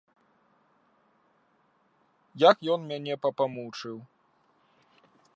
Як ён мяне папамучыў.